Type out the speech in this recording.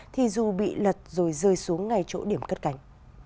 thì dù bị lật rồi rơi xuống ngay chỗ điểm cất cánh